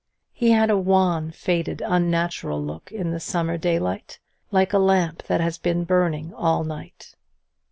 He had a wan, faded, unnatural look in the summer daylight, like a lamp that has been left burning all night.